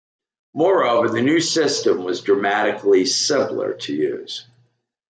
Moreover, the new system was dramatically simpler to use.